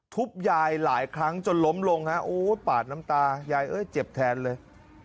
ทุบยายหลายครั้งจนล้มลงฮะโอ้ยปาดน้ำตายายเอ้ยเจ็บแทนเลย